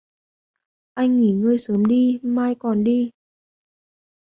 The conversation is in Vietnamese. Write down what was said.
Anh nghỉ ngơi sớm đi mai còn đi